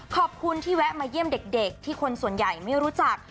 ขอบคุณที่แวะมาเยี่ยมเด็กที่คนส่วนใหญ่ไม่รู้จัก